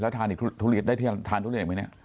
ทานอีกทุเรียนได้ทานทุเรียนไหมเนี่ย